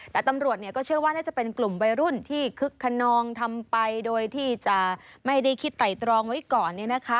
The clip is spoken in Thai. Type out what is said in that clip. แต่ตำรวจก็เชื่อว่าน่าจะเป็นกลุ่มวัยรุ่นที่คึกขนองทำไปโดยที่จะไม่ได้คิดไต่ตรองไว้ก่อน